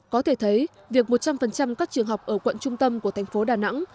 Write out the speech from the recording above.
có thể thấy việc một trăm linh các trường học ở quận trung tâm của thành phố đà nẵng